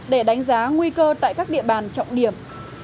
để đánh giá nguy cơ tại các địa bàn trọng điểm